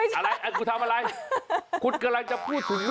สลับคั่วสลับคั่ว